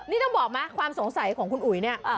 นี่ต้องบอกไหมความสงสัยของคุณอุ๋ยเนี่ย